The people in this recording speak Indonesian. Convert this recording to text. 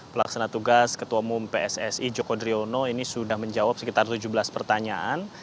pelaksana tugas ketua umum pssi joko driono ini sudah menjawab sekitar tujuh belas pertanyaan